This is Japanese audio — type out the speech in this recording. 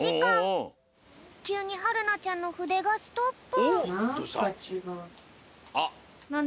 きゅうにはるなちゃんのふでがストップ。